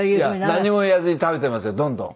何も言わずに食べてますよどんどん。